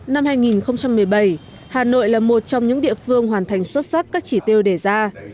năm hai nghìn một mươi bảy hà nội là một trong những địa phương hoàn thành xuất sắc các chỉ tiêu đề ra